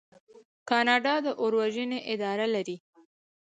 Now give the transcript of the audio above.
کاناډا د اور وژنې اداره لري.